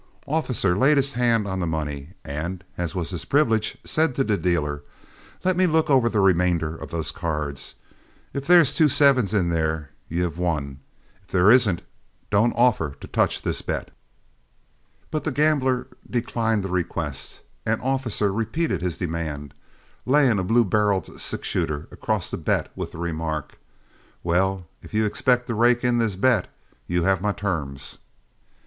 Officer laid his hand on the money, and, as was his privilege, said to the dealer, "Let me look over the remainder of those cards. If there's two sevens there, you have won. If there isn't, don't offer to touch this bet." But the gambler declined the request, and Officer repeated his demand, laying a blue barreled six shooter across the bet with the remark, "Well, if you expect to rake in this bet you have my terms."